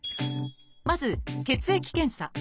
まず「血液検査」。